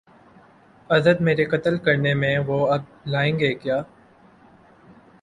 عذر میرے قتل کرنے میں وہ اب لائیں گے کیا